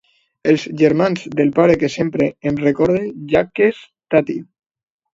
Els germans del pare que sempre em recorden Jacques Tati.